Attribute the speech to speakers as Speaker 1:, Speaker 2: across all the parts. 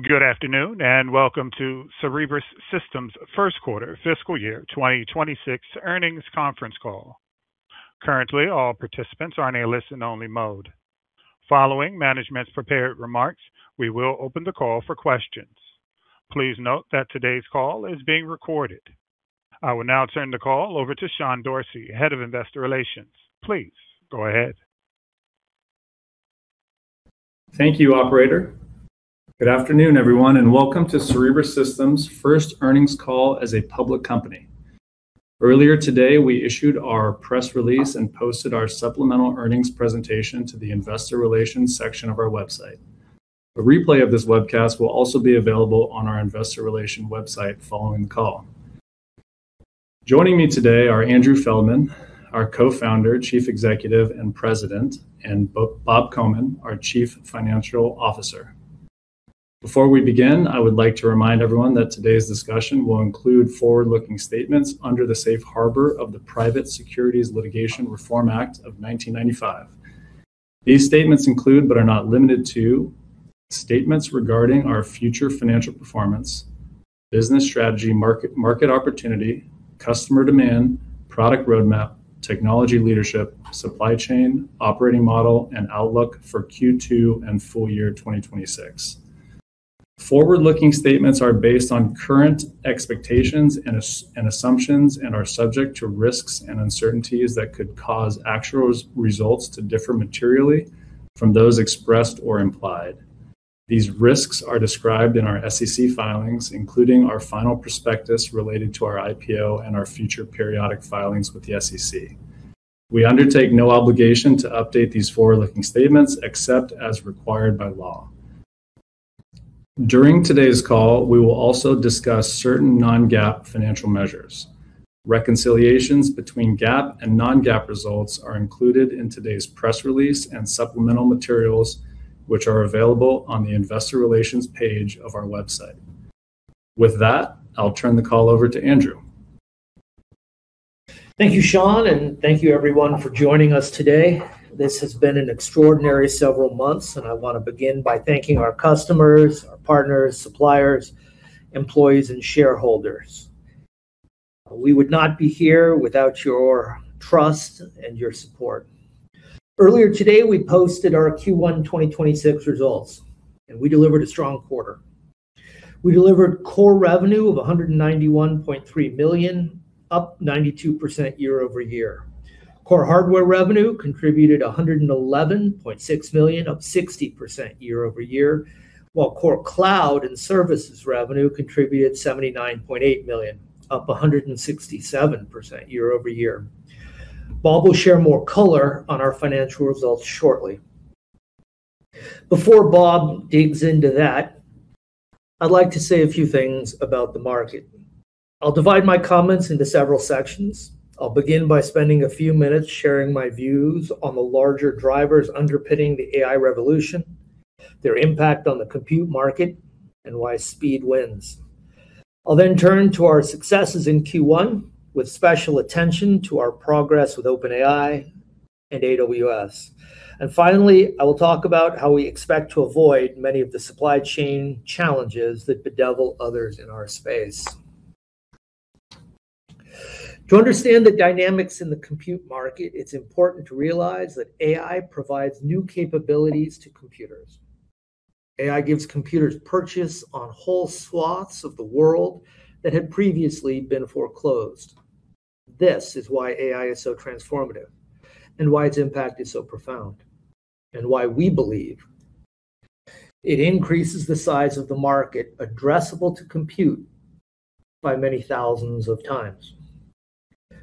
Speaker 1: Good afternoon. Welcome to Cerebras Systems' first quarter fiscal year 2026 earnings conference call. Currently, all participants are in a listen only mode. Following management's prepared remarks, we will open the call for questions. Please note that today's call is being recorded. I will now turn the call over to Sean Dorsey, Head of Investor Relations. Please go ahead.
Speaker 2: Thank you, operator. Good afternoon, everyone. Welcome to Cerebras Systems' first earnings call as a public company. Earlier today, we issued our press release and posted our supplemental earnings presentation to the investor relations section of our website. A replay of this webcast will also be available on our Investor Relations website following the call. Joining me today are Andrew Feldman, our Co-founder, Chief Executive, and President, and Bob Komin, our Chief Financial Officer. Before we begin, I would like to remind everyone that today's discussion will include forward-looking statements under the safe harbor of the Private Securities Litigation Reform Act of 1995. These statements include, but are not limited to, statements regarding our future financial performance, business strategy, market opportunity, customer demand, product roadmap, technology leadership, supply chain, operating model, and outlook for Q2 and full year 2026. Forward-looking statements are based on current expectations and assumptions and are subject to risks and uncertainties that could cause actual results to differ materially from those expressed or implied. These risks are described in our SEC filings, including our final prospectus related to our IPO and our future periodic filings with the SEC. We undertake no obligation to update these forward-looking statements except as required by law. During today's call, we will also discuss certain non-GAAP financial measures. Reconciliations between GAAP and non-GAAP results are included in today's press release and supplemental materials, which are available on the Investor Relations page of our website. With that, I'll turn the call over to Andrew.
Speaker 3: Thank you, Sean. Thank you everyone for joining us today. This has been an extraordinary several months. I want to begin by thanking our customers, our partners, suppliers, employees, and shareholders. We would not be here without your trust and your support. Earlier today, we posted our Q1 2026 results. We delivered a strong quarter. We delivered core revenue of $191.3 million, up 92% year-over-year. Core hardware revenue contributed $111.6 million, up 60% year-over-year, while core cloud and services revenue contributed $79.8 million, up 167% year-over-year. Bob will share more color on our financial results shortly. Before Bob digs into that, I'd like to say a few things about the market. I'll divide my comments into several sections. I'll begin by spending a few minutes sharing my views on the larger drivers underpinning the AI revolution, their impact on the compute market, and why speed wins. I'll then turn to our successes in Q1 with special attention to our progress with OpenAI and AWS. Finally, I will talk about how we expect to avoid many of the supply chain challenges that bedevil others in our space. To understand the dynamics in the compute market, it's important to realize that AI provides new capabilities to computers. AI gives computers purchase on whole swaths of the world that had previously been foreclosed. This is why AI is so transformative and why its impact is so profound, and why we believe it increases the size of the market addressable to compute by many thousands of times.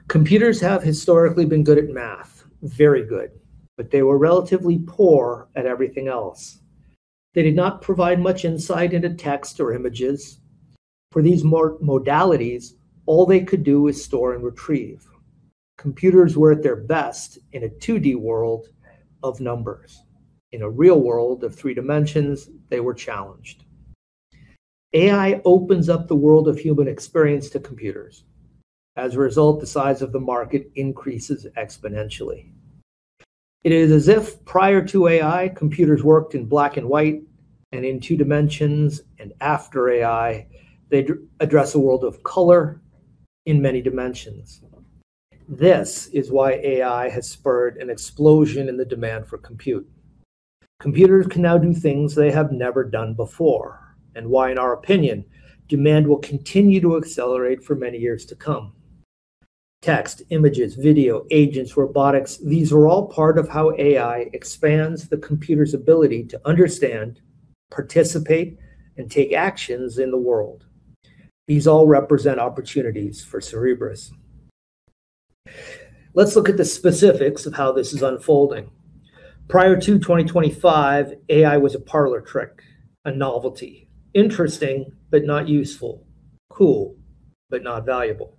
Speaker 3: Computers have historically been good at math, very good, but they were relatively poor at everything else. They did not provide much insight into text or images. For these modalities, all they could do is store and retrieve. Computers were at their best in a 2D world of numbers. In a real world of three dimensions, they were challenged. AI opens up the world of human experience to computers. As a result, the size of the market increases exponentially. It is as if prior to AI, computers worked in black and white and in two dimensions, and after AI, they address a world of color in many dimensions. This is why AI has spurred an explosion in the demand for compute. Computers can now do things they have never done before, and why, in our opinion, demand will continue to accelerate for many years to come. Text, images, video, agents, robotics, these are all part of how AI expands the computer's ability to understand, participate, and take actions in the world. These all represent opportunities for Cerebras. Let's look at the specifics of how this is unfolding. Prior to 2025, AI was a parlor trick, a novelty. Interesting, but not useful. Cool, but not valuable.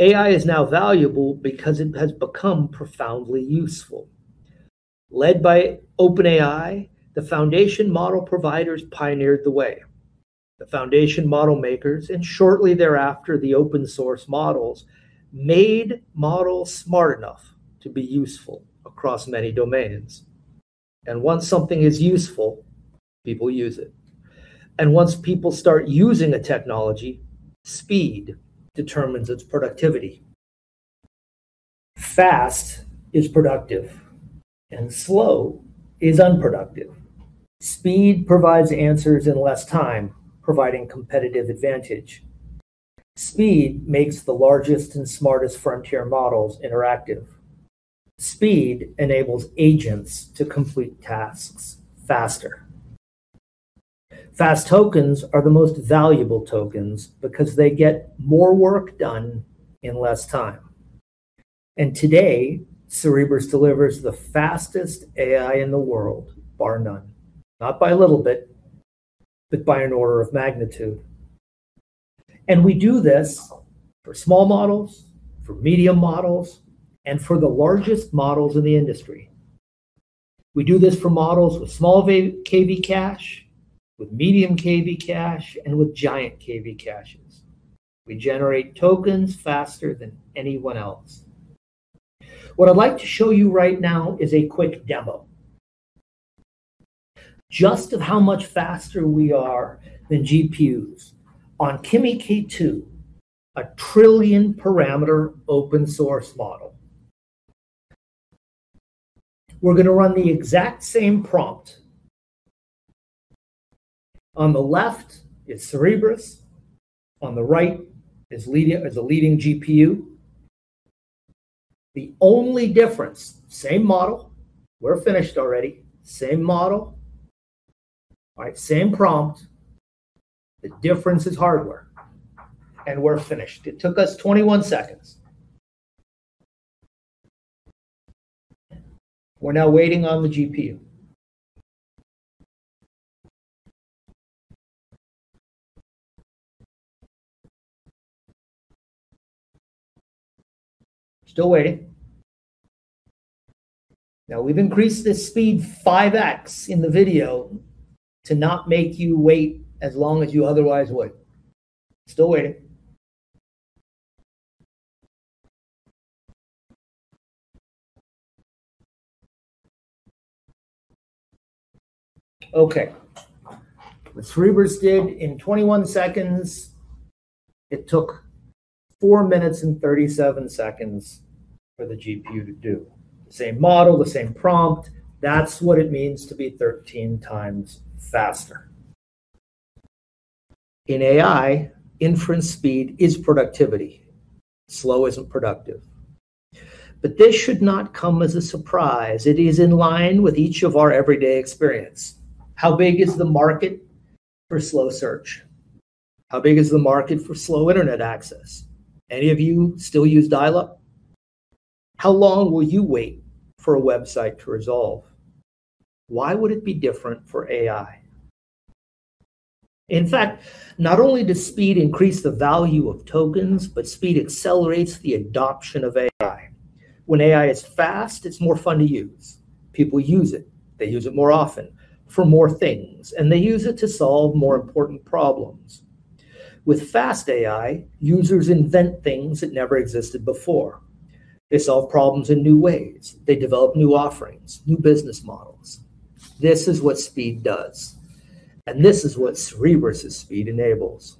Speaker 3: AI is now valuable because it has become profoundly useful. Led by OpenAI, the foundation model providers pioneered the way. The foundation model makers, and shortly thereafter, the open source models, made models smart enough to be useful across many domains. Once something is useful, people use it. Once people start using a technology, speed determines its productivity. Fast is productive and slow is unproductive. Speed provides answers in less time, providing competitive advantage. Speed makes the largest and smartest frontier models interactive. Speed enables agents to complete tasks faster. Fast tokens are the most valuable tokens because they get more work done in less time. Today, Cerebras delivers the fastest AI in the world, bar none, not by a little bit, but by an order of magnitude. We do this for small models, for medium models, and for the largest models in the industry. We do this for models with small KV cache, with medium KV cache, and with giant KV caches. We generate tokens faster than anyone else. What I'd like to show you right now is a quick demo, just of how much faster we are than GPUs on Kimi K2, a trillion-parameter open source model. We're going to run the exact same prompt. On the left, it's Cerebras, on the right is a leading GPU. The only difference, same model. We're finished already. Same model. Same prompt. The difference is hardware. We're finished. It took us 21 sec. We're now waiting on the GPU. Still waiting. We've increased the speed 5x in the video to not make you wait as long as you otherwise would. Still waiting. Okay. What Cerebras did in 21 sec, it took 4 min and 37 sec for the GPU to do. The same model, the same prompt. That's what it means to be 13x faster. In AI, inference speed is productivity. Slow isn't productive. This should not come as a surprise. It is in line with each of our everyday experience. How big is the market for slow search? How big is the market for slow internet access? Any of you still use dial-up? How long will you wait for a website to resolve? Why would it be different for AI? Not only does speed increase the value of tokens, but speed accelerates the adoption of AI. When AI is fast, it's more fun to use. People use it. They use it more often, for more things, and they use it to solve more important problems. With fast AI, users invent things that never existed before. They solve problems in new ways. They develop new offerings, new business models. This is what speed does, and this is what Cerebras' speed enables.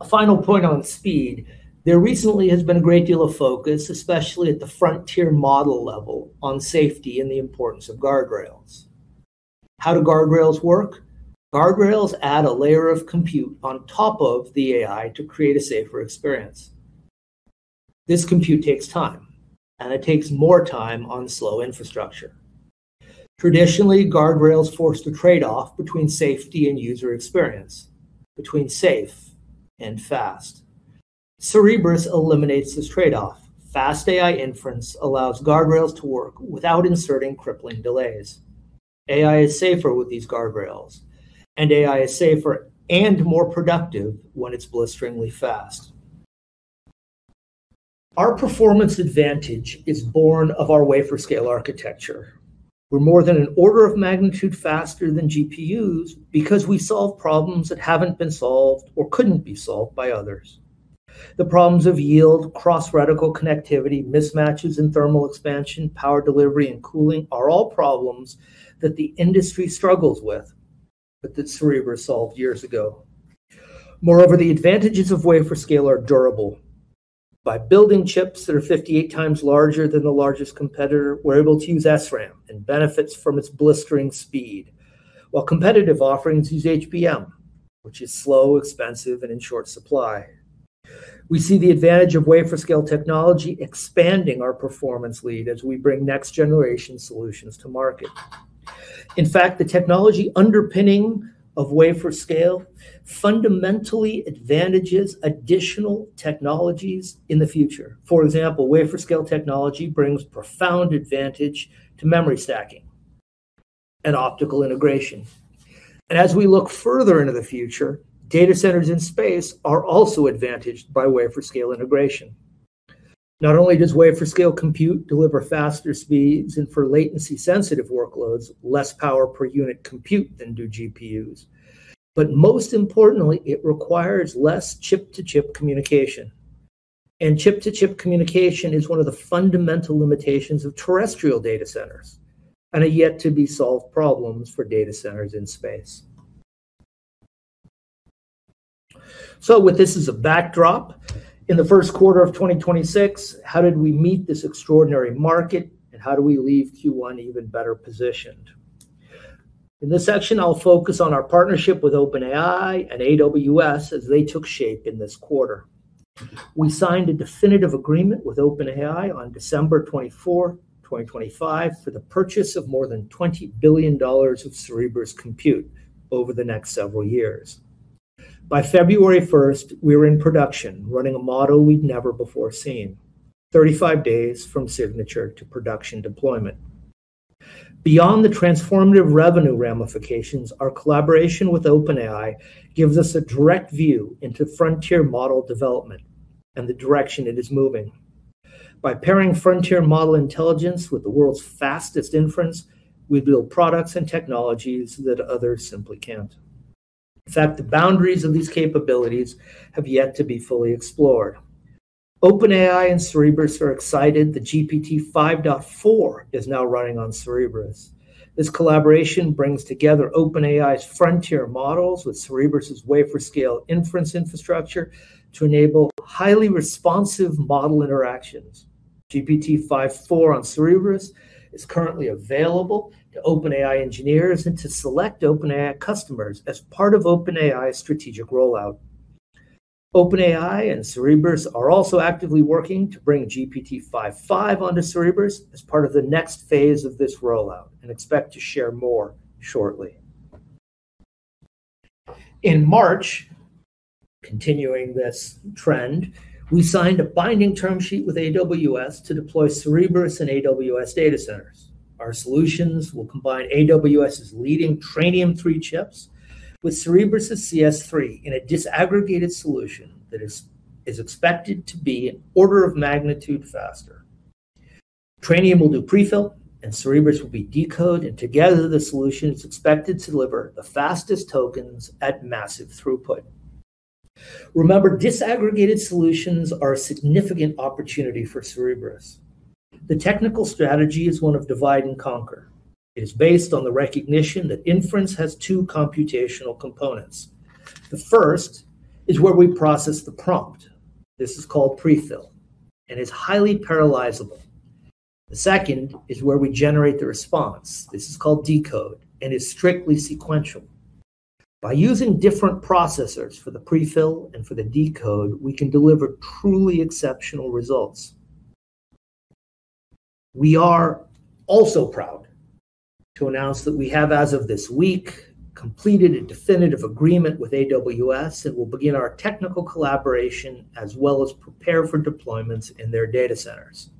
Speaker 3: A final point on speed. There recently has been a great deal of focus, especially at the frontier model level, on safety and the importance of guardrails. How do guardrails work? Guardrails add a layer of compute on top of the AI to create a safer experience. This compute takes time, and it takes more time on slow infrastructure. Traditionally, guardrails force a trade-off between safety and user experience, between safe and fast. Cerebras eliminates this trade-off. Fast AI inference allows guardrails to work without inserting crippling delays. AI is safer with these guardrails, and AI is safer and more productive when it's blisteringly fast. Our performance advantage is born of our wafer scale architecture. We're more than an order of magnitude faster than GPUs because we solve problems that haven't been solved or couldn't be solved by others. The problems of yield, cross-reticl connectivity, mismatches in thermal expansion, power delivery, and cooling are all problems that the industry struggles with, but that Cerebras solved years ago. Moreover, the advantages of wafer scale are durable. By building chips that are 58x larger than the largest competitor, we're able to use SRAM and benefits from its blistering speed, while competitive offerings use HBM, which is slow, expensive, and in short supply. We see the advantage of wafer scale technology expanding our performance lead as we bring next-generation solutions to market. The technology underpinning of wafer scale fundamentally advantages additional technologies in the future. For example, wafer scale technology brings profound advantage to memory stacking and optical integration. As we look further into the future, data centers in space are also advantaged by wafer scale integration. Not only does wafer scale compute deliver faster speeds and for latency sensitive workloads, less power per unit compute than do GPUs. Most importantly, it requires less chip to chip communication. Chip-to-chip communication is one of the fundamental limitations of terrestrial data centers, and a yet-to-be-solved problem for data centers in space. With this as a backdrop, in the first quarter of 2026, how did we meet this extraordinary market and how do we leave Q1 even better positioned? In this section, I'll focus on our partnership with OpenAI and AWS as they took shape in this quarter. We signed a definitive agreement with OpenAI on December 24, 2025, for the purchase of more than $20 billion of Cerebras compute over the next several years. By February 1st, we were in production, running a model we'd never before seen, 35 days from signature to production deployment. Beyond the transformative revenue ramifications, our collaboration with OpenAI gives us a direct view into frontier model development and the direction it is moving. By pairing frontier model intelligence with the world's fastest inference, we build products and technologies that others simply can't. In fact, the boundaries of these capabilities have yet to be fully explored. OpenAI and Cerebras are excited that GPT-5.4 is now running on Cerebras. This collaboration brings together OpenAI's frontier models with Cerebras' wafer-scale inference infrastructure to enable highly responsive model interactions. GPT-5.4 on Cerebras is currently available to OpenAI engineers and to select OpenAI customers as part of OpenAI's strategic rollout. OpenAI and Cerebras are also actively working to bring GPT-5.5 onto Cerebras as part of the next phase of this rollout, and expect to share more shortly. In March, continuing this trend, we signed a binding term sheet with AWS to deploy Cerebras in AWS data centers. Our solutions will combine AWS's leading Trainium3 chips with Cerebras' CS-3 in a disaggregated solution that is expected to be an order of magnitude faster. Trainium will do prefill and Cerebras will be decode, and together the solution is expected to deliver the fastest tokens at massive throughput. Remember, disaggregated solutions are a significant opportunity for Cerebras. The technical strategy is one of divide and conquer. It is based on the recognition that inference has two computational components. The first is where we process the prompt. This is called prefill and is highly parallelizable. The second is where we generate the response. This is called decode and is strictly sequential. By using different processors for the prefill and for the decode, we can deliver truly exceptional results. We are also proud to announce that we have, as of this week, completed a definitive agreement with AWS that will begin our technical collaboration as well as prepare for deployments in their data centers.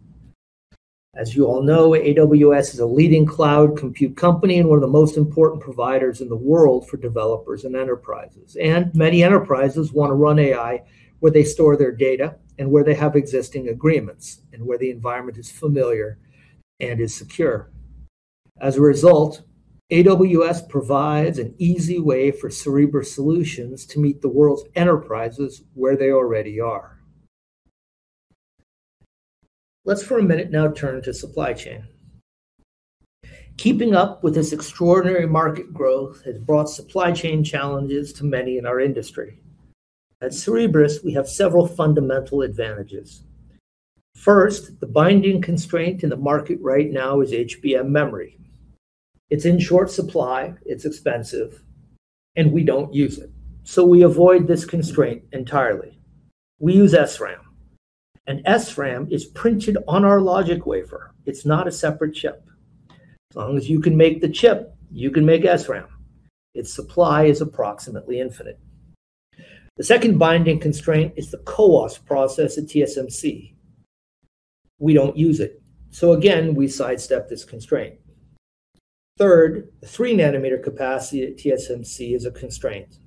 Speaker 3: As you all know, AWS is a leading cloud compute company and one of the most important providers in the world for developers and enterprises. Many enterprises want to run AI where they store their data and where they have existing agreements, and where the environment is familiar and is secure. As a result, AWS provides an easy way for Cerebras solutions to meet the world's enterprises where they already are. Let's for a minute now turn to supply chain. Keeping up with this extraordinary market growth has brought supply chain challenges to many in our industry. At Cerebras, we have several fundamental advantages. First, the binding constraint in the market right now is HBM memory. It's in short supply, it's expensive, and we don't use it. We avoid this constraint entirely. We use SRAM, and SRAM is printed on our logic wafer. It's not a separate chip. As long as you can make the chip, you can make SRAM. Its supply is approximately infinite. The second binding constraint is the CoWoS process at TSMC. We don't use it. Again, we sidestep this constraint. Third, 3 nm capacity at TSMC is a constraint,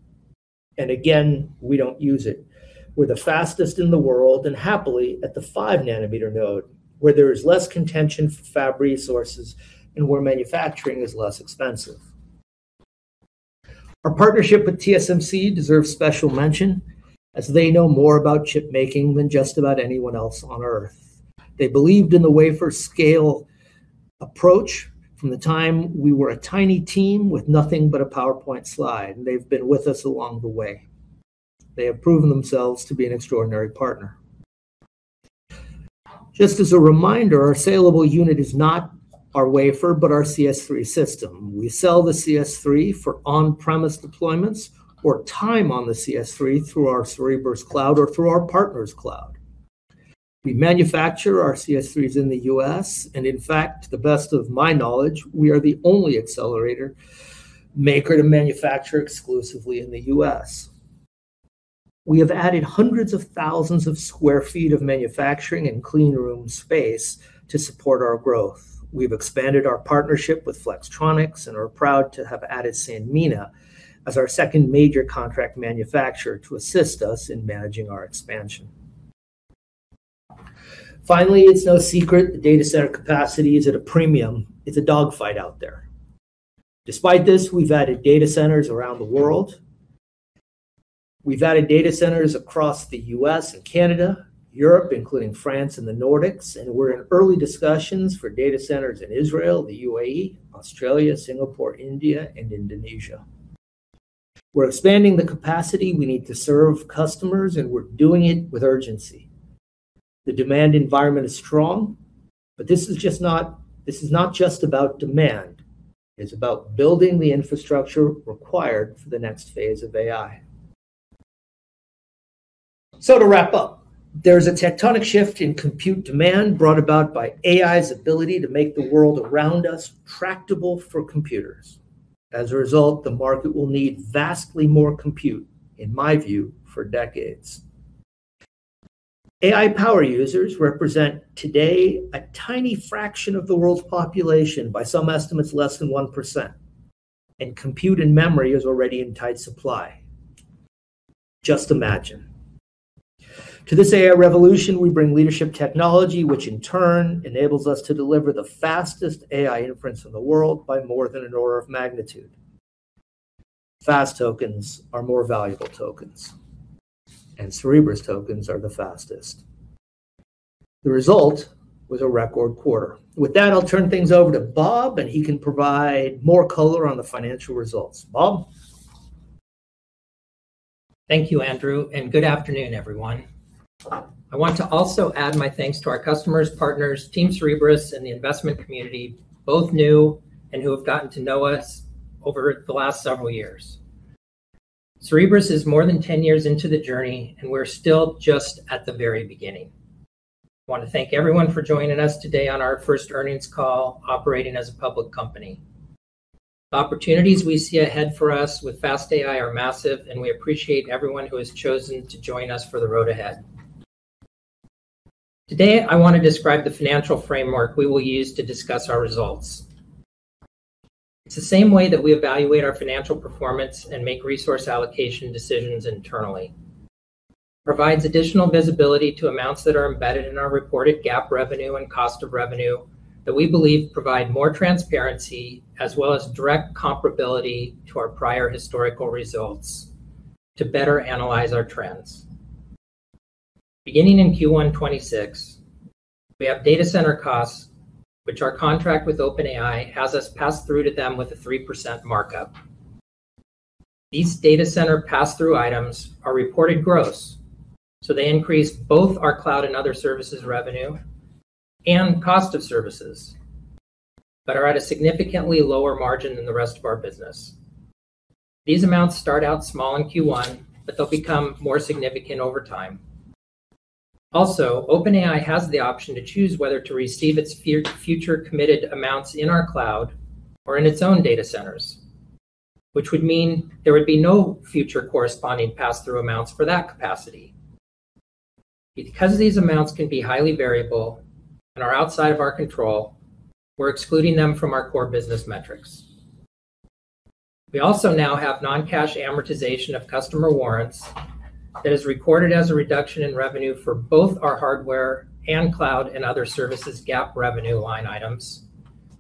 Speaker 3: and again, we don't use it. We're the fastest in the world, and happily at the 5 nm node where there is less contention for fab resources and where manufacturing is less expensive. Our partnership with TSMC deserves special mention, as they know more about chip making than just about anyone else on Earth. They believed in the wafer scale approach from the time we were a tiny team with nothing but a PowerPoint slide, and they've been with us along the way. They have proven themselves to be an extraordinary partner. Just as a reminder, our saleable unit is not our wafer, but our CS-3 system. We sell the CS-3 for on-premise deployments or time on the CS-3 through our Cerebras Cloud or through our partner's cloud. We manufacture our CS-3s in the U.S. and in fact, to the best of my knowledge, we are the only accelerator maker to manufacture exclusively in the U.S. We have added hundreds of thousands of square feet of manufacturing and clean room space to support our growth. We've expanded our partnership with Flextronics and are proud to have added Sanmina as our second major contract manufacturer to assist us in managing our expansion. Finally, it's no secret that data center capacity is at a premium. It's a dog fight out there. Despite this, we've added data centers around the world. We've added data centers across the U.S. and Canada, Europe, including France and the Nordics, and we're in early discussions for data centers in Israel, the UAE, Australia, Singapore, India, and Indonesia. We're expanding the capacity we need to serve customers, and we're doing it with urgency. The demand environment is strong, but this is not just about demand, it's about building the infrastructure required for the next phase of AI. To wrap up, there's a tectonic shift in compute demand brought about by AI's ability to make the world around us tractable for computers. As a result, the market will need vastly more compute, in my view, for decades. AI power users represent today a tiny fraction of the world's population, by some estimates less than 1%, and compute and memory is already in tight supply. Just imagine. To this AI revolution, we bring leadership technology, which in turn enables us to deliver the fastest AI inference in the world by more than an order of magnitude. Fast tokens are more valuable tokens, and Cerebras tokens are the fastest. The result was a record quarter. With that, I'll turn things over to Bob, and he can provide more color on the financial results. Bob?
Speaker 4: Thank you, Andrew, and good afternoon, everyone. I want to also add my thanks to our customers, partners, team Cerebras, and the investment community, both new and who have gotten to know us over the last several years. Cerebras is more than 10 years into the journey, and we're still just at the very beginning. I want to thank everyone for joining us today on our first earnings call operating as a public company. The opportunities we see ahead for us with fast AI are massive, and we appreciate everyone who has chosen to join us for the road ahead. Today, I want to describe the financial framework we will use to discuss our results. It's the same way that we evaluate our financial performance and make resource allocation decisions internally. Provides additional visibility to amounts that are embedded in our reported GAAP revenue and cost of revenue that we believe provide more transparency as well as direct comparability to our prior historical results to better analyze our trends. Beginning in Q1 2026, we have data center costs, which our contract with OpenAI has us pass through to them with a 3% markup. These data center pass-through items are reported gross, so they increase both our cloud and other services revenue and cost of services but are at a significantly lower margin than the rest of our business. These amounts start out small in Q1, but they'll become more significant over time. OpenAI has the option to choose whether to receive its future committed amounts in our cloud or in its own data centers, which would mean there would be no future corresponding pass-through amounts for that capacity. Because these amounts can be highly variable and are outside of our control, we're excluding them from our core business metrics. We also now have non-cash amortization of customer warrants that is recorded as a reduction in revenue for both our hardware and cloud and other services GAAP revenue line items,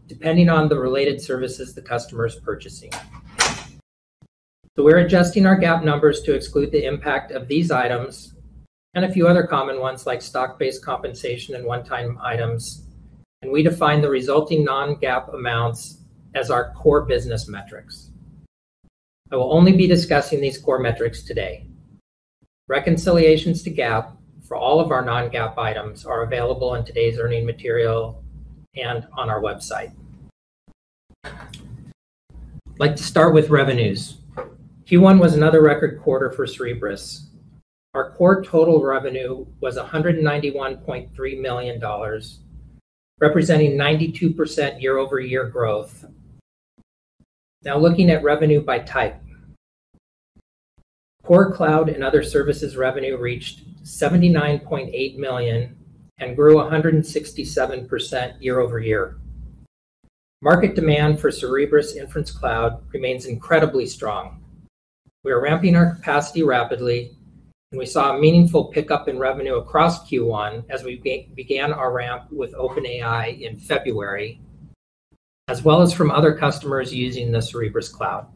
Speaker 4: depending on the related services the customer is purchasing. We're adjusting our GAAP numbers to exclude the impact of these items and a few other common ones like stock-based compensation and one-time items, and we define the resulting non-GAAP amounts as our core business metrics. I will only be discussing these core metrics today. Reconciliations to GAAP for all of our non-GAAP items are available in today's earning material and on our website. I'd like to start with revenues. Q1 was another record quarter for Cerebras. Our core total revenue was $191.3 million, representing 92% year-over-year growth. Looking at revenue by type. Core cloud and other services revenue reached $79.8 million and grew 167% year-over-year. Market demand for Cerebras Inference Cloud remains incredibly strong. We are ramping our capacity rapidly, and we saw a meaningful pickup in revenue across Q1 as we began our ramp with OpenAI in February, as well as from other customers using the Cerebras Cloud.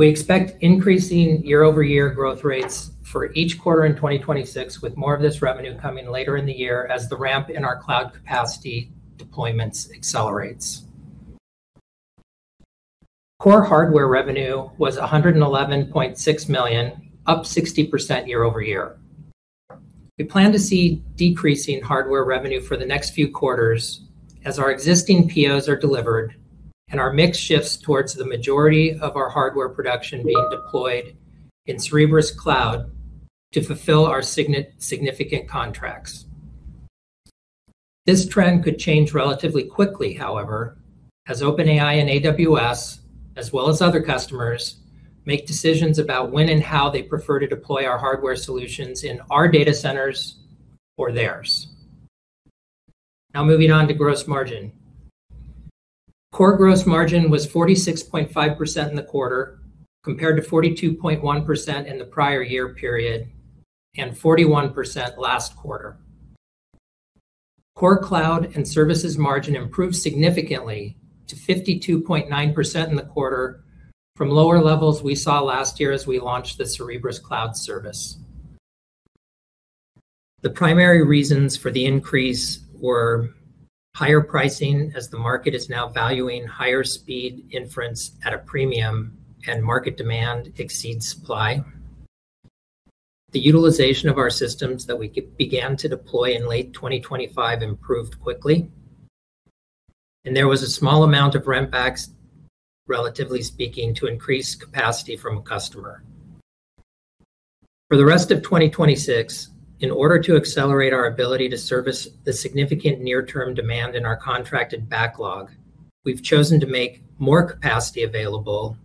Speaker 4: We expect increasing year-over-year growth rates for each quarter in 2026, with more of this revenue coming later in the year as the ramp in our cloud capacity deployments accelerates. Core hardware revenue was $111.6 million, up 60% year-over-year. We plan to see decreasing hardware revenue for the next few quarters as our existing POs are delivered and our mix shifts towards the majority of our hardware production being deployed in Cerebras Cloud to fulfill our significant contracts. This trend could change relatively quickly, however, as OpenAI and AWS, as well as other customers, make decisions about when and how they prefer to deploy our hardware solutions in our data centers or theirs. Now moving on to gross margin. Core gross margin was 46.5% in the quarter, compared to 42.1% in the prior year period, and 41% last quarter. Core cloud and services margin improved significantly to 52.9% in the quarter from lower levels we saw last year as we launched the Cerebras Cloud service. The primary reasons for the increase were higher pricing as the market is now valuing higher speed inference at a premium and market demand exceeds supply. The utilization of our systems that we began to deploy in late 2025 improved quickly, and there was a small amount of rent backs, relatively speaking, to increase capacity from a customer. For the rest of 2026, in order to accelerate our ability to service the significant near-term demand in our contracted backlog, we've chosen to make more capacity available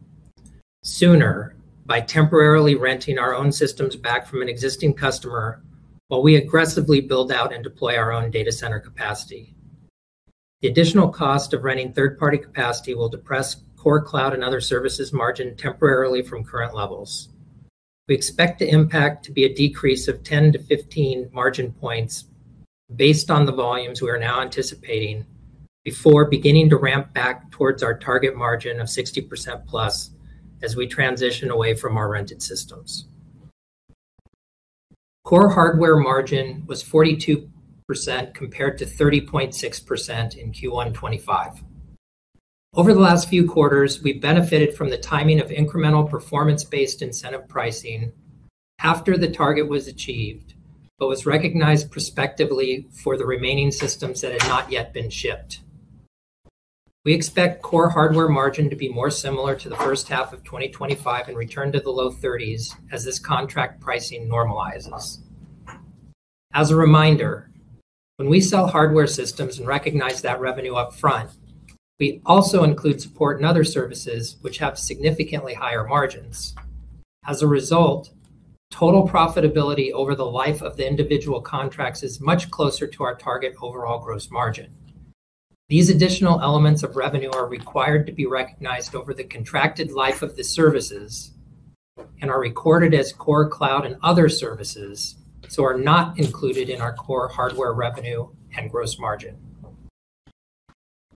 Speaker 4: sooner by temporarily renting our own systems back from an existing customer while we aggressively build out and deploy our own data center capacity. The additional cost of renting third-party capacity will depress core cloud and other services margin temporarily from current levels. We expect the impact to be a decrease of 10-15 margin points based on the volumes we are now anticipating before beginning to ramp back towards our target margin of 60%+ as we transition away from our rented systems. Core hardware margin was 42% compared to 30.6% in Q1 2025. Over the last few quarters, we've benefited from the timing of incremental performance-based incentive pricing after the target was achieved but was recognized prospectively for the remaining systems that had not yet been shipped. We expect core hardware margin to be more similar to the first half of 2025 and return to the low 30s as this contract pricing normalizes. As a reminder, when we sell hardware systems and recognize that revenue up front, we also include support and other services which have significantly higher margins. As a result, total profitability over the life of the individual contracts is much closer to our target overall gross margin. These additional elements of revenue are required to be recognized over the contracted life of the services and are recorded as core cloud and other services, so are not included in our core hardware revenue and gross margin.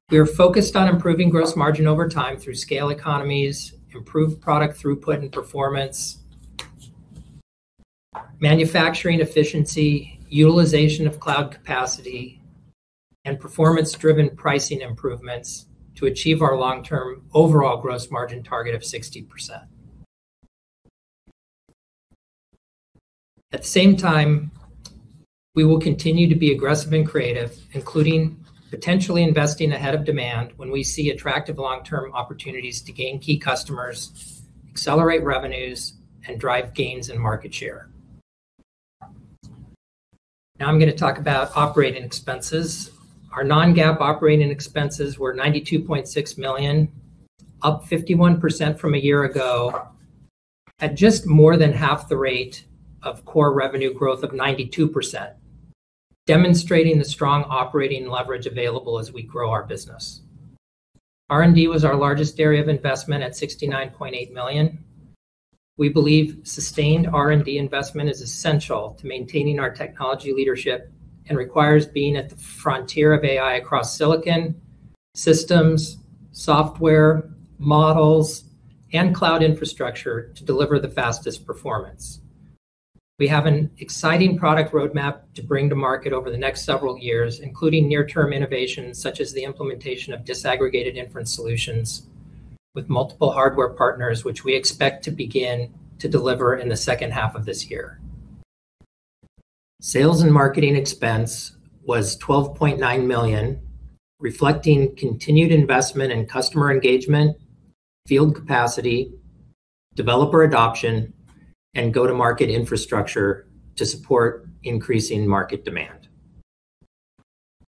Speaker 4: We are focused on improving gross margin over time through scale economies, improved product throughput and performance, manufacturing efficiency, utilization of cloud capacity, and performance-driven pricing improvements to achieve our long-term overall gross margin target of 60%. At the same time, we will continue to be aggressive and creative, including potentially investing ahead of demand when we see attractive long-term opportunities to gain key customers, accelerate revenues, and drive gains in market share. Now I'm going to talk about operating expenses. Our non-GAAP operating expenses were $92.6 million, up 51% from a year ago at just more than half the rate of core revenue growth of 92%, demonstrating the strong operating leverage available as we grow our business. R&D was our largest area of investment at $69.8 million. We believe sustained R&D investment is essential to maintaining our technology leadership and requires being at the frontier of AI across silicon, systems, software, models, and cloud infrastructure to deliver the fastest performance. We have an exciting product roadmap to bring to market over the next several years, including near-term innovations such as the implementation of disaggregated inference solutions with multiple hardware partners, which we expect to begin to deliver in the second half of this year. Sales and marketing expense was $12.9 million, reflecting continued investment in customer engagement, field capacity, developer adoption, and go-to-market infrastructure to support increasing market demand.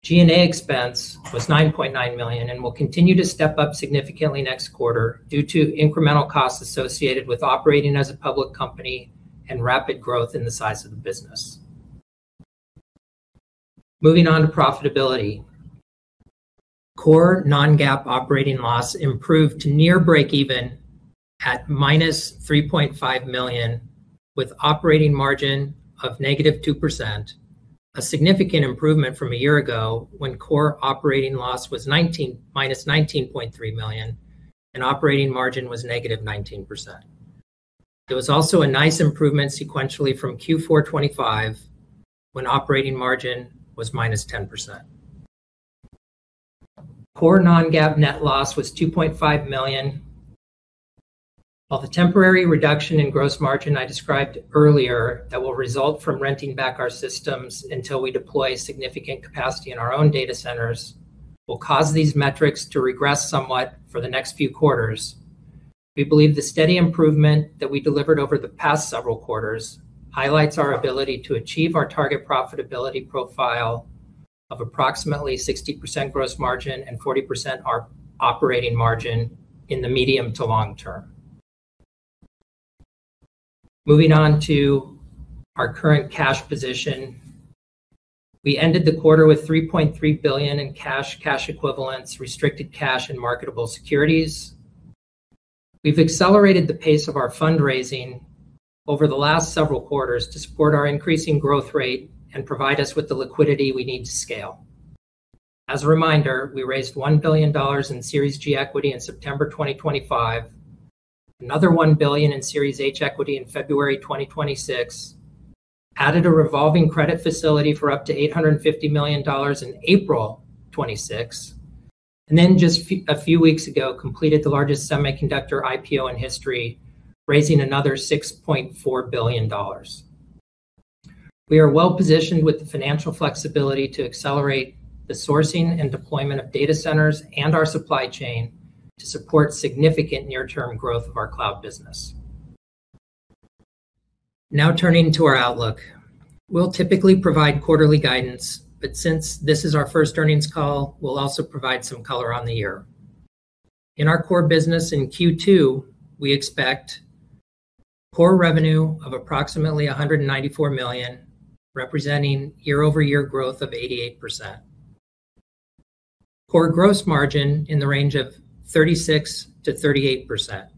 Speaker 4: G&A expense was $9.9 million and will continue to step up significantly next quarter due to incremental costs associated with operating as a public company and rapid growth in the size of the business. Moving on to profitability. Core non-GAAP operating loss improved to near breakeven at -$3.5 million with operating margin of -2%, a significant improvement from a year ago when core operating loss was -$19.3 million and operating margin was -19%. It was also a nice improvement sequentially from Q4 2025 when operating margin was -10%. Core non-GAAP net loss was $2.5 million. While the temporary reduction in gross margin I described earlier that will result from renting back our systems until we deploy significant capacity in our own data centers will cause these metrics to regress somewhat for the next few quarters. We believe the steady improvement that we delivered over the past several quarters highlights our ability to achieve our target profitability profile of approximately 60% gross margin and 40% operating margin in the medium to long term. Moving on to our current cash position. We ended the quarter with $3.3 billion in cash equivalents, restricted cash and marketable securities. We've accelerated the pace of our fundraising over the last several quarters to support our increasing growth rate and provide us with the liquidity we need to scale. As a reminder, we raised $1 billion in Series G equity in September 2025, another $1 billion in Series H equity in February 2026, added a revolving credit facility for up to $850 million in April 2026, and then just a few weeks ago completed the largest semiconductor IPO in history, raising another $6.4 billion. We are well-positioned with the financial flexibility to accelerate the sourcing and deployment of data centers and our supply chain to support significant near-term growth of our cloud business. Now turning to our outlook. We'll typically provide quarterly guidance, but since this is our first earnings call, we'll also provide some color on the year. In our core business in Q2, we expect core revenue of approximately $194 million, representing year-over-year growth of 88%. Core gross margin in the range of 36%-38%.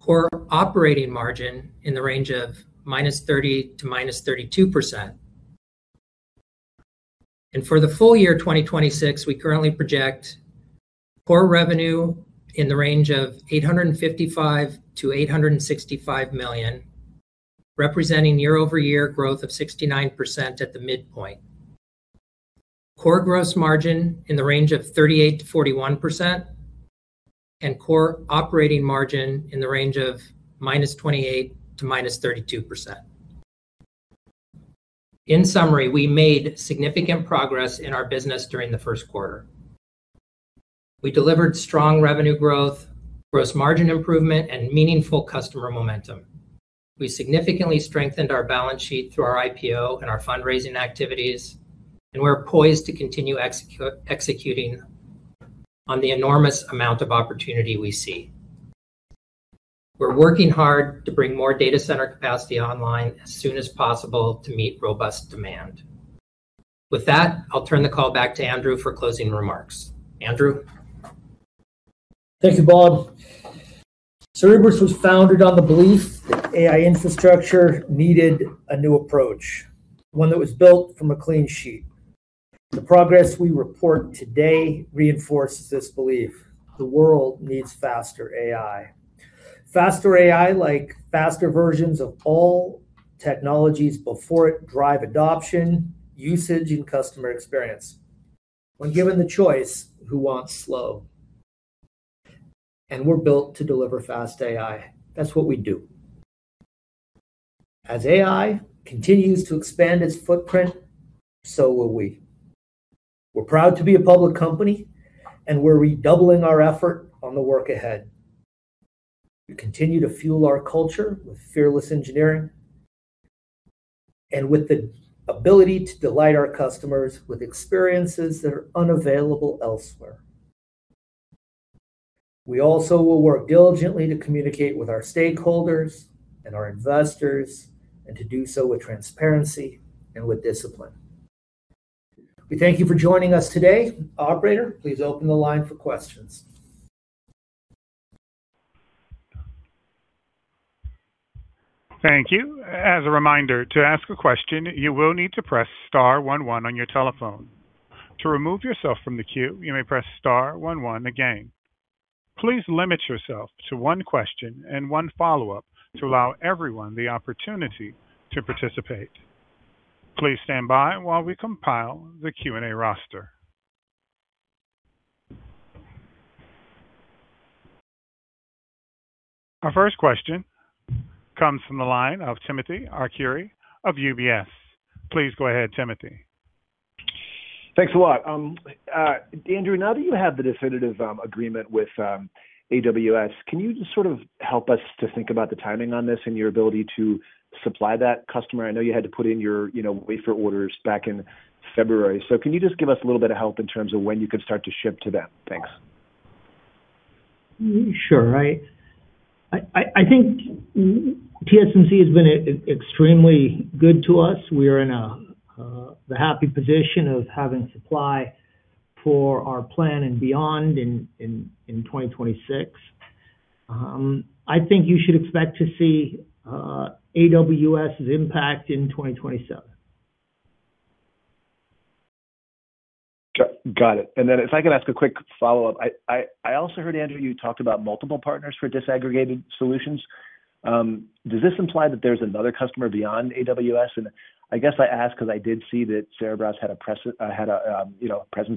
Speaker 4: Core operating margin in the range of -30%--32%. For the full year 2026, we currently project core revenue in the range of $855 million-$865 million, representing year-over-year growth of 69% at the midpoint. Core gross margin in the range of 38%-41%, and core operating margin in the range of -28%--32%. In summary, we made significant progress in our business during the first quarter. We delivered strong revenue growth, gross margin improvement, and meaningful customer momentum. We significantly strengthened our balance sheet through our IPO and our fundraising activities. We're poised to continue executing on the enormous amount of opportunity we see. We're working hard to bring more data center capacity online as soon as possible to meet robust demand. With that, I'll turn the call back to Andrew for closing remarks. Andrew?
Speaker 3: Thank you, Bob. Cerebras was founded on the belief that AI infrastructure needed a new approach, one that was built from a clean sheet. The progress we report today reinforces this belief. The world needs faster AI. Faster AI, like faster versions of all technologies before it, drive adoption, usage, and customer experience. When given the choice, who wants slow? We're built to deliver fast AI. That's what we do. As AI continues to expand its footprint, so will we. We're proud to be a public company. We're redoubling our effort on the work ahead to continue to fuel our culture with fearless engineering and with the ability to delight our customers with experiences that are unavailable elsewhere. We also will work diligently to communicate with our stakeholders and our investors, to do so with transparency and with discipline. We thank you for joining us today. Operator, please open the line for questions.
Speaker 1: Thank you. As a reminder, to ask a question, you will need to press star one one on your telephone. To remove yourself from the queue, you may press star one one again. Please limit yourself to one question and one follow-up to allow everyone the opportunity to participate. Please stand by while we compile the Q&A roster. Our first question comes from the line of Timothy Arcuri of UBS. Please go ahead, Timothy.
Speaker 5: Thanks a lot. Andrew, now that you have the definitive agreement with AWS, can you just sort of help us to think about the timing on this and your ability to supply that customer? I know you had to put in your wafer orders back in February. Can you just give us a little bit of help in terms of when you can start to ship to them? Thanks.
Speaker 3: Sure. I think TSMC has been extremely good to us. We are in the happy position of having supply for our plan and beyond in 2026. I think you should expect to see AWS's impact in 2027.
Speaker 5: Got it. If I could ask a quick follow-up. I also heard, Andrew, you talked about multiple partners for disaggregating solutions. Does this imply that there's another customer beyond AWS? I guess I ask because I did see that Cerebras had a presence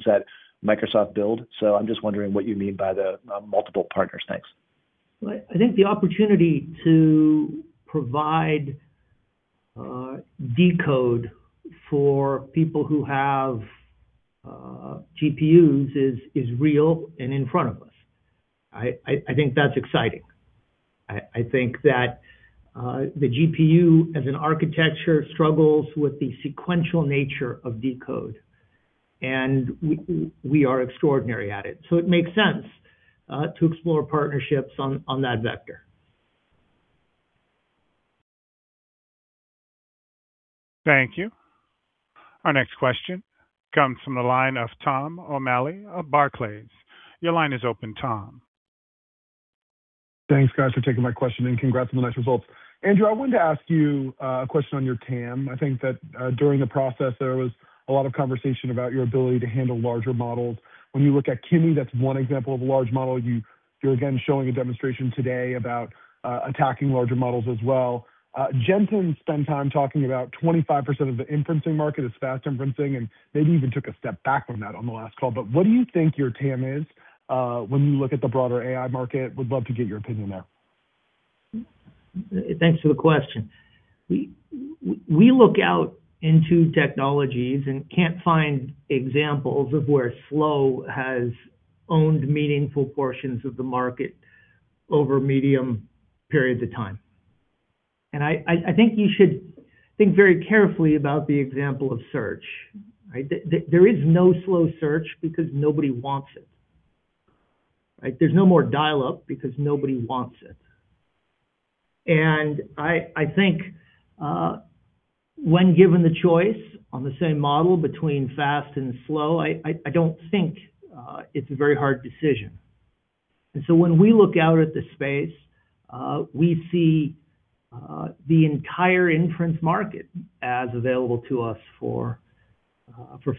Speaker 5: at Microsoft Build. I'm just wondering what you mean by the multiple partners. Thanks.
Speaker 3: I think the opportunity to provide decode for people who have GPUs is real and in front of us. I think that's exciting. I think that the GPU as an architecture struggles with the sequential nature of decode. We are extraordinary at it. It makes sense to explore partnerships on that vector.
Speaker 1: Thank you. Our next question comes from the line of Tom O'Malley of Barclays. Your line is open, Tom.
Speaker 6: Thanks, guys, for taking my question, and congrats on the nice results. Andrew, I wanted to ask you a question on your TAM. I think that during the process, there was a lot of conversation about your ability to handle larger models. When you look at Kimi, that's one example of a large model. You're again showing a demonstration today about attacking larger models as well. Jensen spent time talking about 25% of the inferencing market is fast inferencing, and maybe even took a step back from that on the last call. What do you think your TAM is when you look at the broader AI market? Would love to get your opinion there.
Speaker 3: Thanks for the question. We look out into technologies and can't find examples of where slow has owned meaningful portions of the market over medium periods of time. I think you should think very carefully about the example of search. There is no slow search because nobody wants it. There's no more dial-up because nobody wants it. I think when given the choice on the same model between fast and slow, I don't think it's a very hard decision. When we look out at the space, we see the entire inference market as available to us for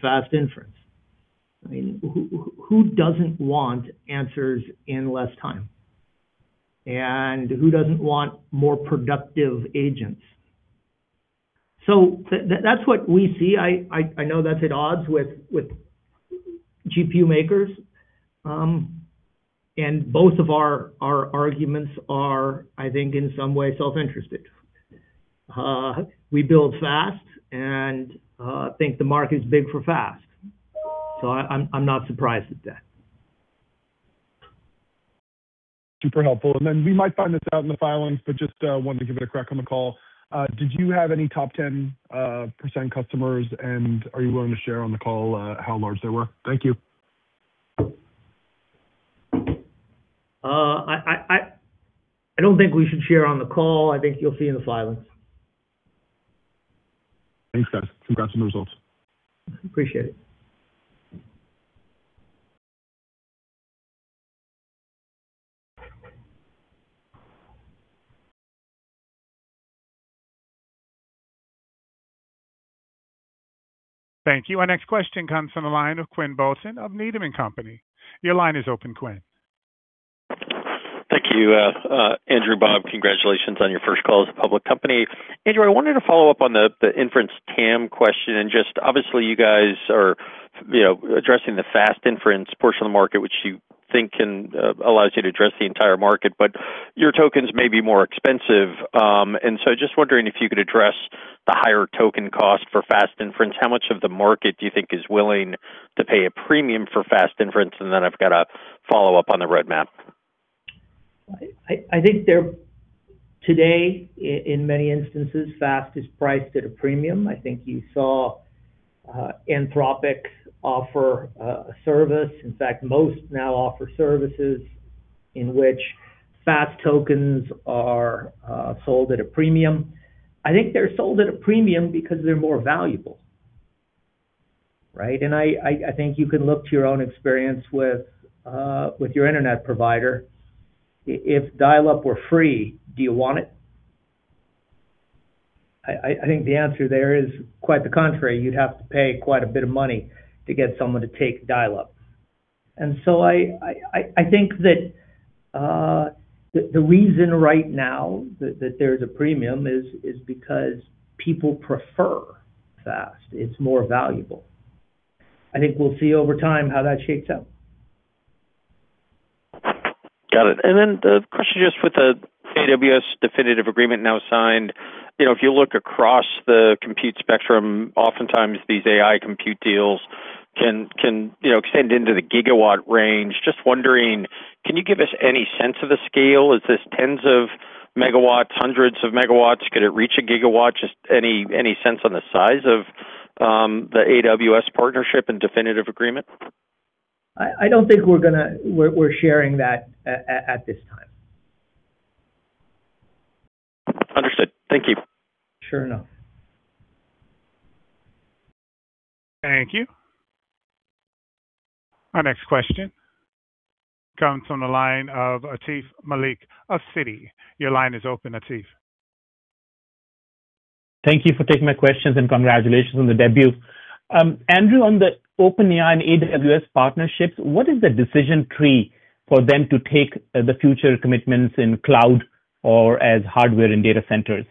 Speaker 3: fast inference. I mean, who doesn't want answers in less time? Who doesn't want more productive agents? That's what we see. I know that's at odds with GPU makers. Both of our arguments are, I think in some way, self-interested. We build fast and think the market's big for fast. I'm not surprised at that.
Speaker 6: Super helpful. We might find this out in the filings, just wanted to give it a crack on the call. Did you have any top 10% customers, and are you willing to share on the call how large they were? Thank you.
Speaker 3: I don't think we should share on the call. I think you'll see in the filings.
Speaker 6: Thanks, guys. Congrats on the results.
Speaker 3: Appreciate it.
Speaker 1: Thank you. Our next question comes from the line of Quinn Bolton of Needham & Company. Your line is open, Quinn.
Speaker 7: Thank you, Andrew, Bob, congratulations on your first call as a public company. Andrew, I wanted to follow up on the inference TAM question. Just obviously, you guys are addressing the fast inference portion of the market, which you think allows you to address the entire market, but your tokens may be more expensive. Just wondering if you could address the higher token cost for fast inference. How much of the market do you think is willing to pay a premium for fast inference? Then I've got a follow-up on the roadmap.
Speaker 3: I think today, in many instances, fast is priced at a premium. I think you saw Anthropic offer a service. In fact, most now offer services in which fast tokens are sold at a premium. I think they're sold at a premium because they're more valuable. Right? I think you can look to your own experience with your internet provider. If dial-up were free, do you want it? I think the answer there is quite the contrary. You'd have to pay quite a bit of money to get someone to take dial-up. I think that the reason right now that there's a premium is because people prefer fast. It's more valuable. I think we'll see over time how that shapes out.
Speaker 7: Got it. The question, just with the AWS definitive agreement now signed, if you look across the compute spectrum, oftentimes these AI compute deals can extend into the gigawatt range. Just wondering, can you give us any sense of the scale? Is this tens of megawatts, hundreds of megawatts? Could it reach a gigawatt? Just any sense on the size of the AWS partnership and definitive agreement?
Speaker 3: I don't think we're sharing that at this time.
Speaker 7: Understood. Thank you.
Speaker 3: Sure enough.
Speaker 1: Thank you. Our next question comes from the line of Atif Malik of Citi. Your line is open, Atif.
Speaker 8: Thank you for taking my questions, congratulations on the debut. Andrew, on the OpenAI and AWS partnerships, what is the decision tree for them to take the future commitments in cloud or as hardware and data centers?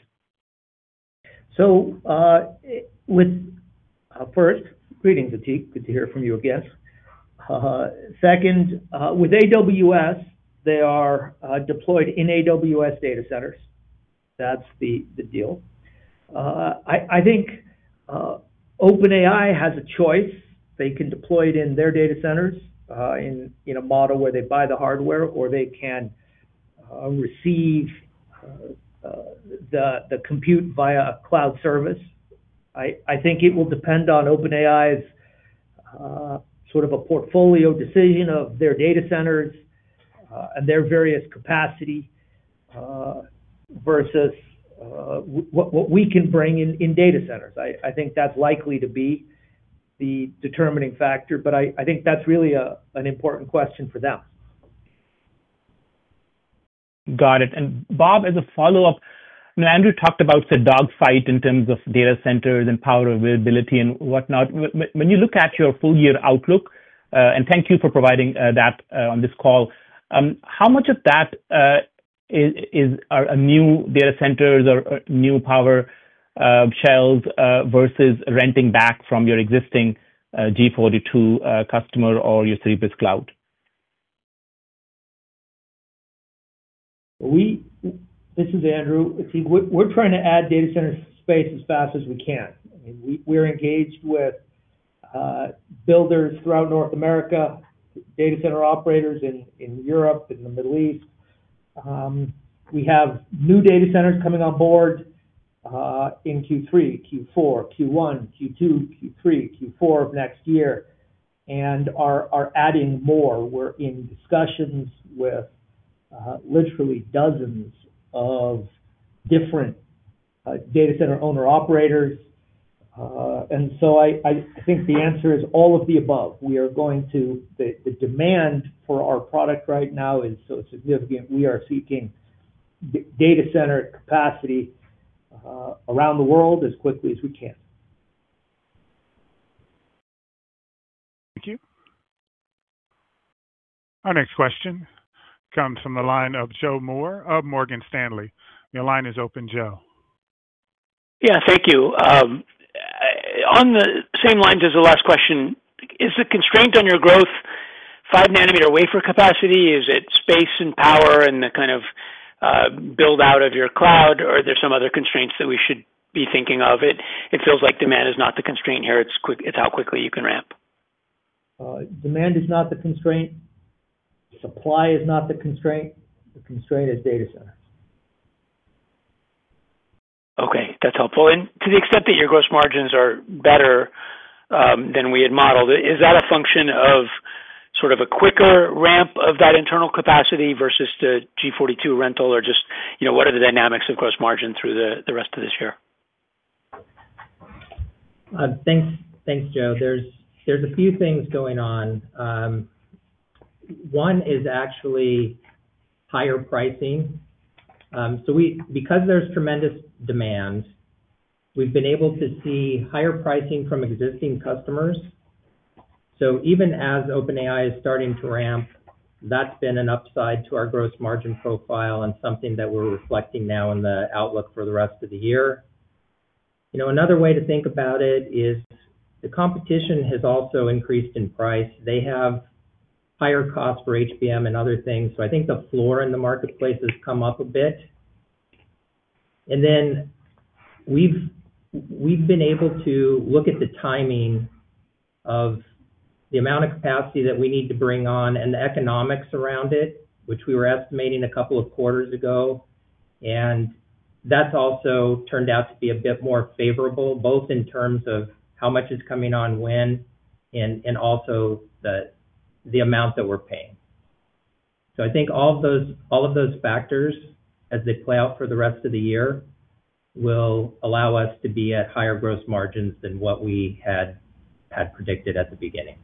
Speaker 3: First, greetings, Atif. Good to hear from you again. Second, with AWS, they are deployed in AWS data centers. That's the deal. I think OpenAI has a choice. They can deploy it in their data centers, in a model where they buy the hardware, or they can receive the compute via cloud service. I think it will depend on OpenAI's portfolio decision of their data centers and their various capacity versus what we can bring in data centers. I think that's likely to be the determining factor, but I think that's really an important question for them.
Speaker 8: Got it. Bob, as a follow-up, Andrew talked about the dogfight in terms of data centers and power availability and whatnot. When you look at your full-year outlook, and thank you for providing that on this call, how much of that is new data centers or new power shells versus renting back from your existing G42 customer or your Cerebras Cloud?
Speaker 3: This is Andrew. We're trying to add data center space as fast as we can. We're engaged with builders throughout North America, data center operators in Europe, in the Middle East. We have new data centers coming on board in Q3, Q4, Q1, Q2, Q3, Q4 of next year, and are adding more. We're in discussions with literally dozens of different data center owner operators. I think the answer is all of the above. The demand for our product right now is so significant, we are seeking data center capacity around the world as quickly as we can.
Speaker 1: Thank you. Our next question comes from the line of Joe Moore of Morgan Stanley. Your line is open, Joe.
Speaker 9: Yeah, thank you. On the same lines as the last question, is the constraint on your growth five nanometer wafer capacity? Is it space and power and the kind of build-out of your cloud? Or are there some other constraints that we should be thinking of? It feels like demand is not the constraint here, it's how quickly you can ramp.
Speaker 3: Demand is not the constraint. Supply is not the constraint. The constraint is data centers.
Speaker 9: Okay, that's helpful. To the extent that your gross margins are better than we had modeled, is that a function of sort of a quicker ramp of that internal capacity versus the G42 rental or just what are the dynamics of gross margin through the rest of this year?
Speaker 4: Thanks, Joe. There's a few things going on. One is actually higher pricing. Because there's tremendous demand, we've been able to see higher pricing from existing customers. Even as OpenAI is starting to ramp, that's been an upside to our gross margin profile and something that we're reflecting now in the outlook for the rest of the year. Another way to think about it is the competition has also increased in price. They have higher costs for HBM and other things. I think the floor in the marketplace has come up a bit. Then we've been able to look at the timing of the amount of capacity that we need to bring on and the economics around it, which we were estimating a couple of quarters ago. That's also turned out to be a bit more favorable, both in terms of how much is coming on when, and also the amount that we're paying. I think all of those factors, as they play out for the rest of the year, will allow us to be at higher gross margins than what we had predicted at the beginning.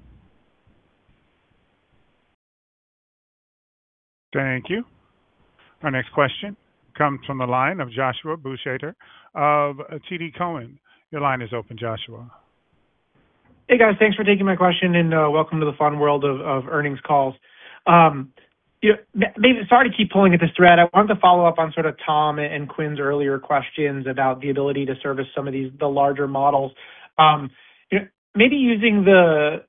Speaker 1: Thank you. Our next question comes from the line of Joshua Buchalter of TD Cowen. Your line is open, Joshua.
Speaker 10: Hey, guys, thanks for taking my question, and welcome to the fun world of earnings calls. Sorry to keep pulling at this thread. I wanted to follow up on sort of Tom and Quinn's earlier questions about the ability to service some of the larger models. Maybe using the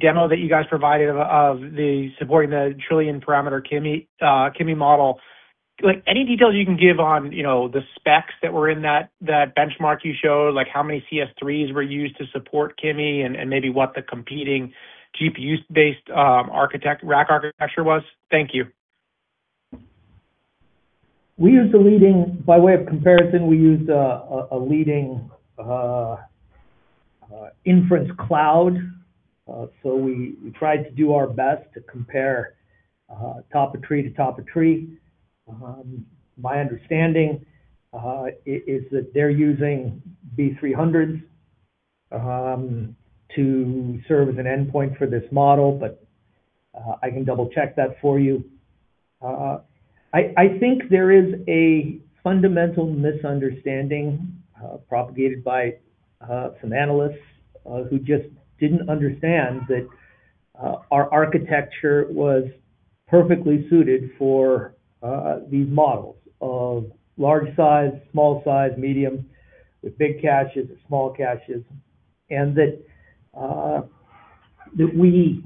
Speaker 10: demo that you guys provided of the supporting the trillion parameter Kimi model. Any details you can give on the specs that were in that benchmark you showed, like how many CS-3s were used to support Kimi and maybe what the competing GPU-based rack architecture was? Thank you.
Speaker 3: By way of comparison, we used a leading inference cloud. We tried to do our best to compare top of tree to top of tree. My understanding is that they're using B300 to serve as an endpoint for this model, but I can double-check that for you. I think there is a fundamental misunderstanding propagated by some analysts who just didn't understand that our architecture was perfectly suited for these models of large size, small size, medium, with big caches and small caches, and that we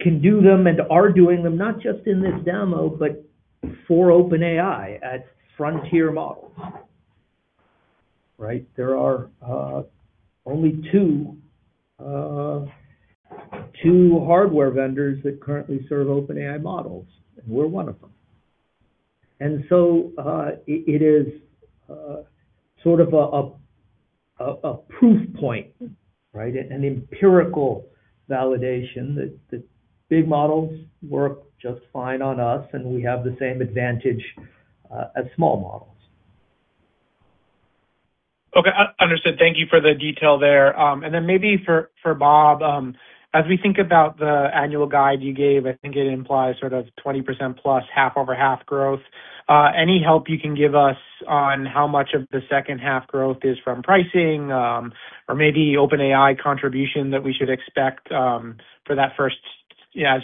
Speaker 3: can do them and are doing them, not just in this demo, but for OpenAI at frontier models. Right. There are only two hardware vendors that currently serve OpenAI models, and we're one of them. It is sort of a proof point, right? An empirical validation that big models work just fine on us, and we have the same advantage as small models.
Speaker 10: Okay, understood. Thank you for the detail there. Maybe for Bob, as we think about the annual guide you gave, I think it implies sort of 20%+ half-over-half growth. Any help you can give us on how much of the second half growth is from pricing? Or maybe OpenAI contribution that we should expect as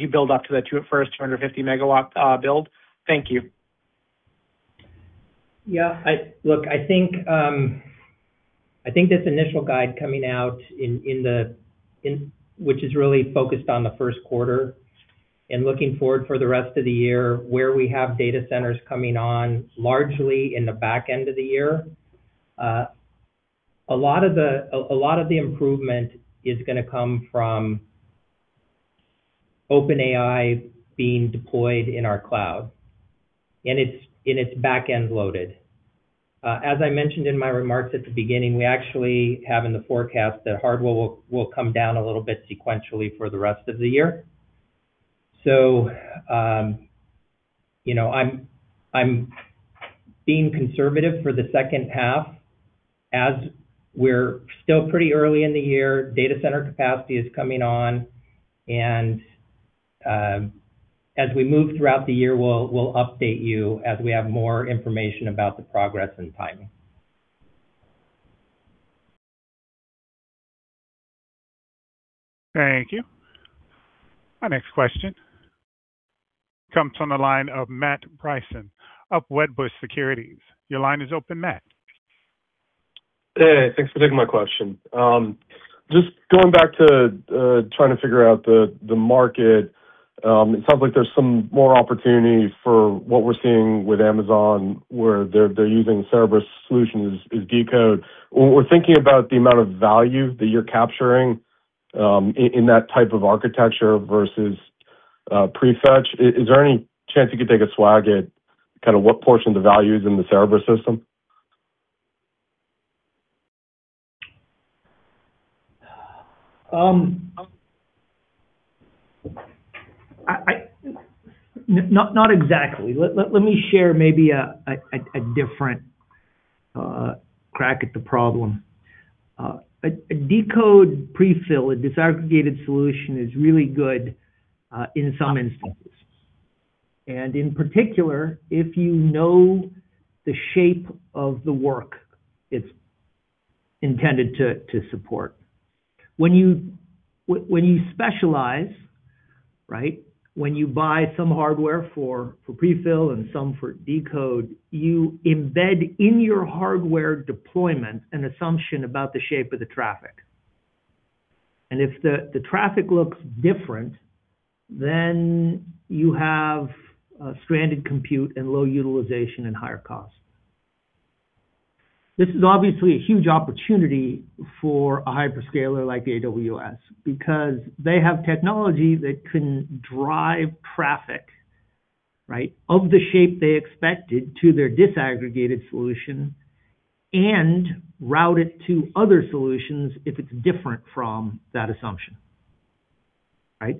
Speaker 10: you build up to that first 250 MW build. Thank you.
Speaker 4: Yeah. Look, I think this initial guide coming out, which is really focused on the first quarter and looking forward for the rest of the year, where we have data centers coming on largely in the back end of the year. A lot of the improvement is going to come from OpenAI being deployed in our cloud, and it's back end loaded. As I mentioned in my remarks at the beginning, we actually have in the forecast that hardware will come down a little bit sequentially for the rest of the year. I'm being conservative for the second half as we're still pretty early in the year. Data center capacity is coming on, and as we move throughout the year, we'll update you as we have more information about the progress and timing.
Speaker 1: Thank you. Our next question comes on the line of Matt Bryson of Wedbush Securities. Your line is open, Matt.
Speaker 11: Hey, thanks for taking my question. Just going back to trying to figure out the market. It sounds like there's some more opportunity for what we're seeing with Amazon, where they're using Cerebras solution as decode. We're thinking about the amount of value that you're capturing in that type of architecture versus prefetch. Is there any chance you could take a swag at kind of what portion of the value is in the Cerebras System?
Speaker 3: Not exactly. Let me share maybe a different crack at the problem. A decode prefill, a disaggregated solution is really good in some instances, and in particular, if you know the shape of the work it's intended to support. When you specialize, right, when you buy some hardware for prefill and some for decode, you embed in your hardware deployment an assumption about the shape of the traffic. If the traffic looks different, then you have stranded compute and low utilization and higher cost. This is obviously a huge opportunity for a hyperscaler like AWS because they have technology that can drive traffic, right, of the shape they expected to their disaggregated solution and route it to other solutions if it's different from that assumption. Right?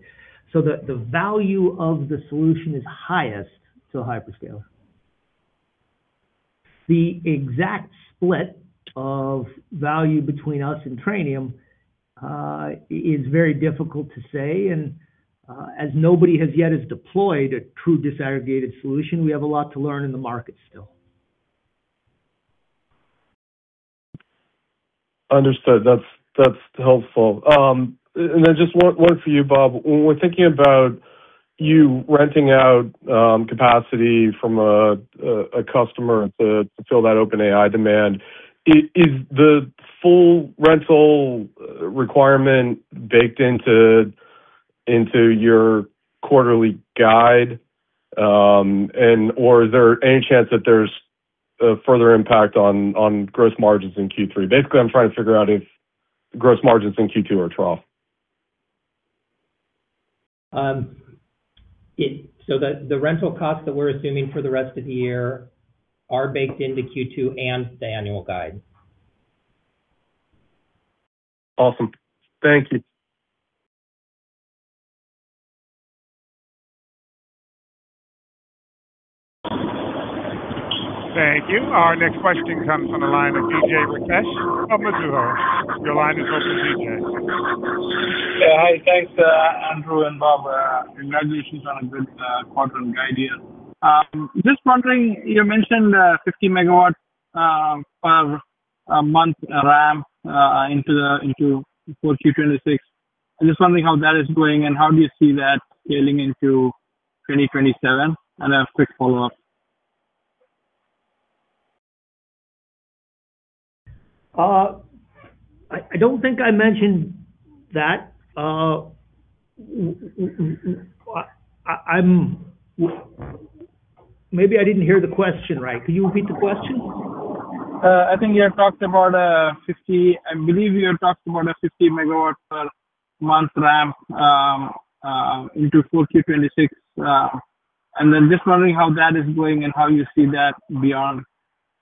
Speaker 3: The value of the solution is highest to a hyperscaler. The exact split of value between us and Trainium is very difficult to say, as nobody has yet deployed a true disaggregated solution, we have a lot to learn in the market still.
Speaker 11: Understood. That's helpful. Then just one for you, Bob. When we're thinking about you renting out capacity from a customer to fill that OpenAI demand, is the full rental requirement baked into your quarterly guide? Or is there any chance that there's a further impact on gross margins in Q3? Basically, I'm trying to figure out if gross margins in Q2 are trough.
Speaker 4: The rental costs that we're assuming for the rest of the year are baked into Q2 and the annual guide.
Speaker 11: Awesome. Thank you.
Speaker 1: Thank you. Our next question comes on the line of Vijay Rakesh of Mizuho. Your line is open, Vijay.
Speaker 12: Yeah. Hi. Thanks, Andrew and Bob. Congratulations on a good quarter guide here. Just wondering, you mentioned 50 MW per month ramp for full Q 2026. I'm just wondering how that is going and how do you see that scaling into 2027? I have a quick follow-up.
Speaker 3: I don't think I mentioned that. Maybe I didn't hear the question right. Could you repeat the question?
Speaker 12: I think you had talked about a 50 MW per month ramp into full Q 2026. Just wondering how that is going and how you see that beyond,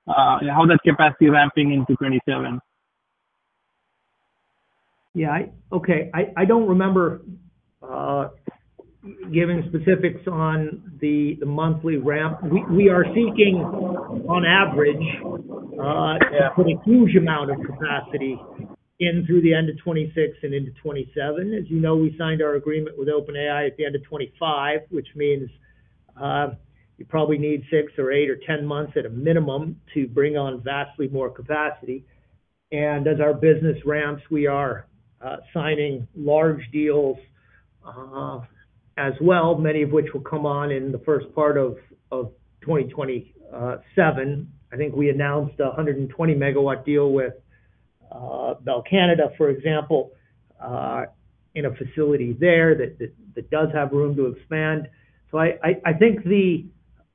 Speaker 12: and how that capacity ramping into 2027.
Speaker 3: Yeah. Okay. I don't remember giving specifics on the monthly ramp. We are seeking, on average, to put a huge amount of capacity in through the end of 2026 and into 2027. As you know, we signed our agreement with OpenAI at the end of 2025, which means you probably need six or eight or 10 months at a minimum to bring on vastly more capacity. As our business ramps, we are signing large deals as well, many of which will come on in the first part of 2027. I think we announced 120 MW deal with Bell Canada, for example, in a facility there that does have room to expand. I think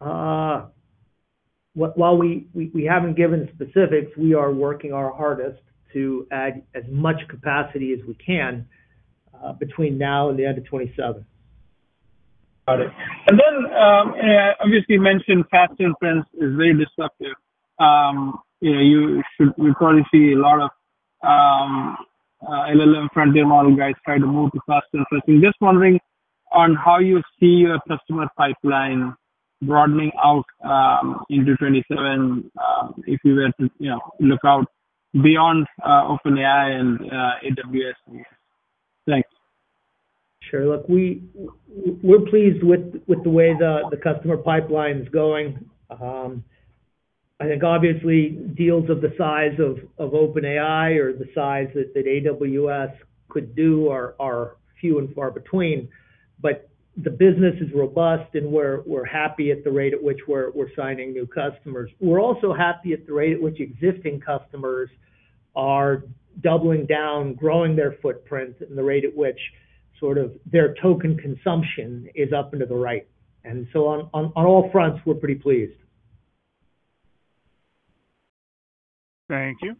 Speaker 3: while we haven't given specifics, we are working our hardest to add as much capacity as we can between now and the end of 2027.
Speaker 12: Got it. Obviously you mentioned fast inference is very disruptive. You probably see a lot of LLM front-end model guys try to move to fast inference. I'm just wondering on how you see your customer pipeline broadening out into 2027, if you were to look out beyond OpenAI and AWS. Thanks.
Speaker 3: Sure. Look, we're pleased with the way the customer pipeline's going. I think obviously deals of the size of OpenAI or the size that AWS could do are few and far between. The business is robust, and we're happy at the rate at which we're signing new customers. We're also happy at the rate at which existing customers are doubling down, growing their footprint, and the rate at which their token consumption is up into the right. On all fronts, we're pretty pleased.
Speaker 1: Thank you.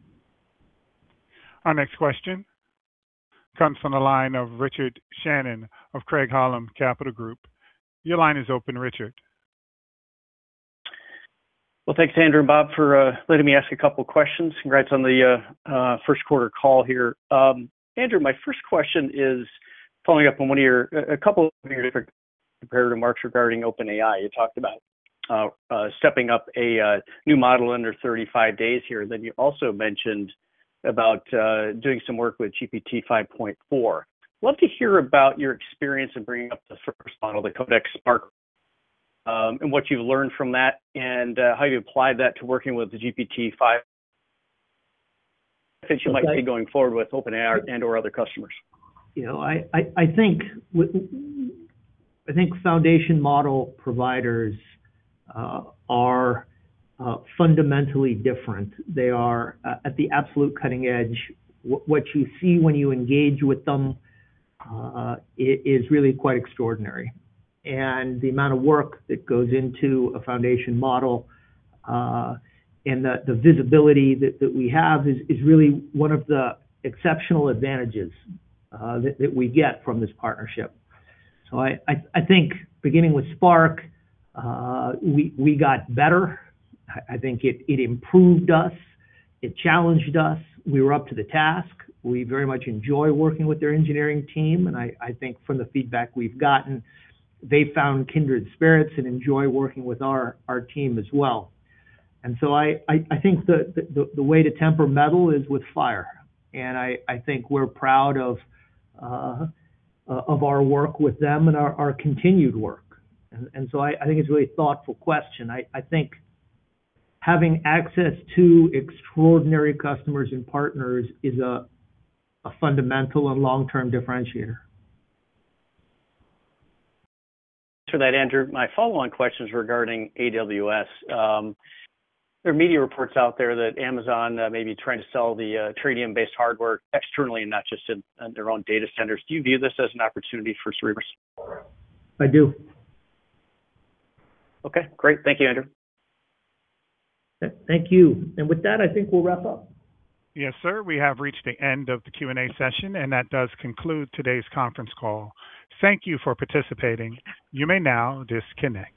Speaker 1: Our next question comes from the line of Richard Shannon of Craig-Hallum Capital Group. Your line is open, Richard.
Speaker 13: Thanks, Andrew and Bob, for letting me ask a couple questions. Congrats on the first quarter call here. Andrew, my first question is following up on a couple of your different comparative remarks regarding OpenAI. You talked about stepping up a new model under 35 days here. You also mentioned about doing some work with GPT-5.4. Love to hear about your experience in bringing up the first model, the Codex-Spark, and what you've learned from that, and how you applied that to working with the GPT-5 that you might be going forward with OpenAI and/or other customers.
Speaker 3: I think foundation model providers are fundamentally different. They are at the absolute cutting edge. What you see when you engage with them is really quite extraordinary. The amount of work that goes into a foundation model, and the visibility that we have is really one of the exceptional advantages that we get from this partnership. I think beginning with Spark, we got better. I think it improved us. It challenged us. We were up to the task. We very much enjoy working with their engineering team, and I think from the feedback we've gotten, they found kindred spirits and enjoy working with our team as well. I think the way to temper metal is with fire, and I think we're proud of our work with them and our continued work. I think it's a really thoughtful question. I think having access to extraordinary customers and partners is a fundamental and long-term differentiator.
Speaker 13: Thanks for that, Andrew. My follow-on question is regarding AWS. There are media reports out there that Amazon may be trying to sell the Trainium-based hardware externally and not just in their own data centers. Do you view this as an opportunity for Cerebras?
Speaker 3: I do.
Speaker 13: Okay, great. Thank you, Andrew.
Speaker 3: Thank you. With that, I think we'll wrap up.
Speaker 1: Yes, sir. We have reached the end of the Q&A session, and that does conclude today's conference call. Thank you for participating. You may now disconnect.